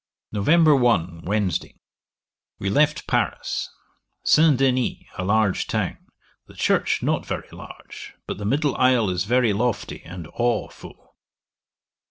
'Nov. 1. Wednesday. We left Paris. St. Denis, a large town; the church not very large, but the middle isle is very lofty and aweful.